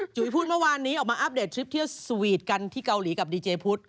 พูดเมื่อวานนี้ออกมาอัปเดตทริปเที่ยวสวีทกันที่เกาหลีกับดีเจพุทธ